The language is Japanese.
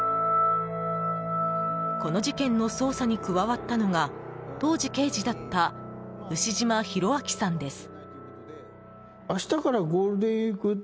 この事件の捜査に加わったのが当時刑事だった牛島寛昭さんです。